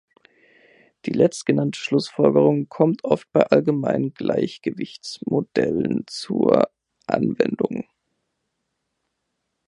Die letztgenannte Schlussfolgerung kommt oft bei allgemeinen Gleichgewichtsmodellen zur Anwendung.